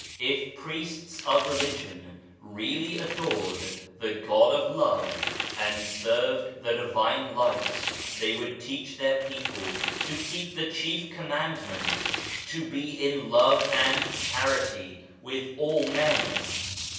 If Priests of Religion really adored the God of Love and served the Divine Light, they would teach their people to keep the chief Commandment, " To be in Love and Charity with all men."